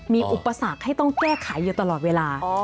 มีอุปสรรคให้ต้องแก้ไขอยู่ตลอดเวลา